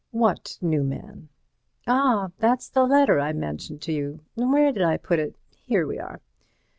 "What new man?" "Ah, that's the letter I mentioned to you. Where did I put it? here we are.